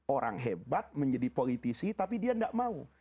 orang hebat menjadi politisi tapi dia tidak mau